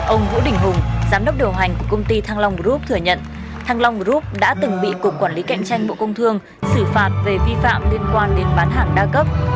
ông vũ đình hùng giám đốc điều hành của công ty thăng long group thừa nhận thăng long group đã từng bị cục quản lý cạnh tranh bộ công thương xử phạt về vi phạm liên quan đến bán hàng đa cấp